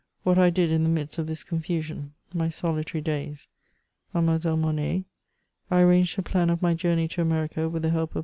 WHAT I DID IN THE MIDST OV THIS CONFUSIOK—KT SOLITABT DATS — MADEMOISELLE MONET — I ABBANOB THE FLAN OF MY JOUBNEY TO AMEBICA, WITH THE HELP OF M.